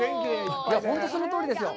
本当にそのとおりですよ。